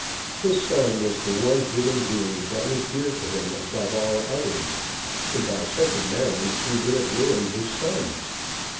His son was the one human being that was dear to him above all others, and by such a marriage he would have ruined his son.